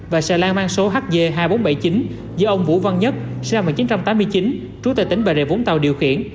và xà lan mang số hg hai nghìn bốn trăm bảy mươi chín do ông vũ văn nhất xe một nghìn chín trăm tám mươi chín rút tại tỉnh bà rịa vũng tàu điều khiển